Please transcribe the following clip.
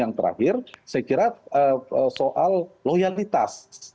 yang terakhir saya kira soal loyalitas